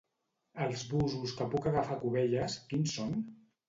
Els busos que puc agafar a Cubelles, quins són?